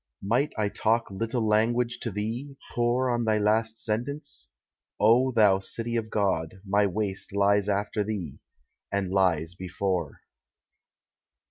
Might I talk little language to thee, pore On thy last silence? O thou city of God, My waste lies after thee, and lies before.